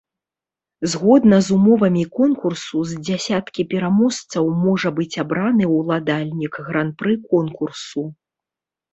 Згодна з умовамі конкурсу, з дзясяткі пераможцаў можа быць абраны уладальнік гран-пры конкурсу.